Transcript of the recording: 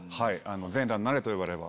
全裸になれと言われれば。